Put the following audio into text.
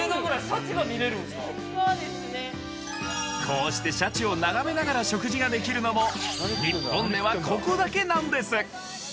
そうですねこうしてシャチを眺めながら食事ができるのも日本ではここだけなんです